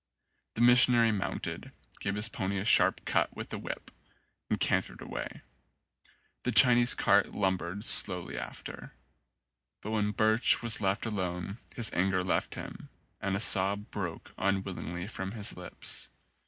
The missionary mounted, gave his pony a sharp cut with the whip, and cantered away. The Chi nese cart lumbered slowly after. But when Birch was left alone his anger left him and a sob broke unwillingly from his lips.